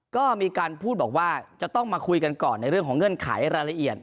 ก็มีการพูดบอกว่าจะต้องมาคุยกันก่อนในเรื่องของเงื่อนไขรายละเอียด